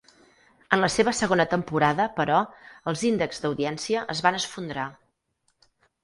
En la seva segona temporada, però, els índexs d'audiència es van esfondrar.